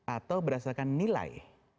atau berdasarkan nilai